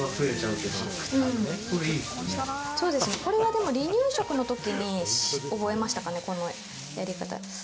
これは離乳食の時に覚えました、このやり方。